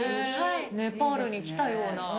ネパールに来たような。